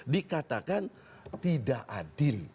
dikatakan tidak adil